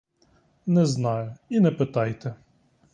Не знаю, і не питайте!